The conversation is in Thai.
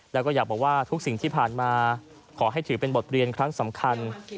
แล้วก็อยากบอกว่าทุกสิ่งที่ผ่านมาขอให้ถือเป็นบทเรียนครั้งสำคัญ